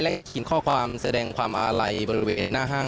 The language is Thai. และเขียนข้อความแสดงความอาลัยบริเวณหน้าห้าง